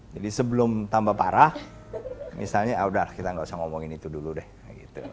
jadi sebelum tambah parah misalnya ah udah kita nggak usah ngomongin itu dulu deh gitu